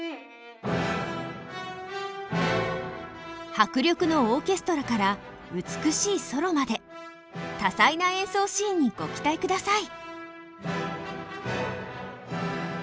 迫力のオーケストラから美しいソロまで多彩な演奏シーンにご期待ください。